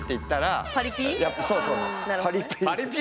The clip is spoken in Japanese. パリピ。